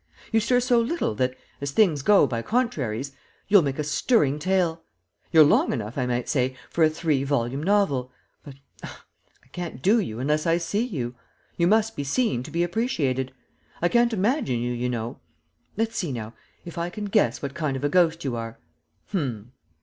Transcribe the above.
You stir so little that, as things go by contraries, you'll make a stirring tale. You're long enough, I might say, for a three volume novel but ah I can't do you unless I see you. You must be seen to be appreciated. I can't imagine you, you know. Let's see, now, if I can guess what kind of a ghost you are. Um!